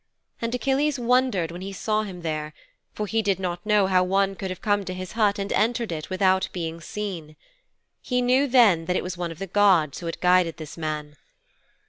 And Achilles wondered when he saw him there, for he did not know how one could have come to his hut and entered it without being seen. He knew then that it was one of the gods who had guided this man.